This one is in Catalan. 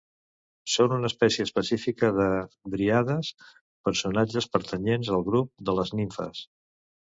Són una espècie específica de dríades, personatges pertanyents al grup de les nimfes.